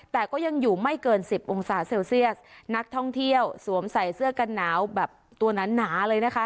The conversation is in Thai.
แต่ก็ยังอยู่ไม่เกินสิบองศาเซลเซียสนักท่องเที่ยวสวมใส่เสื้อกันหนาวแบบตัวหนาหนาเลยนะคะ